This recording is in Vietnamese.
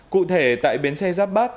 cụ thể tại bến xe giáp bát